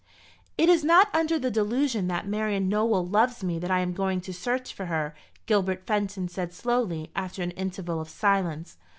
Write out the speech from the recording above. "It is not under the delusion that Marian Nowell loves me that I am going to search for her," Gilbert Fenton said slowly, after an interval of silence.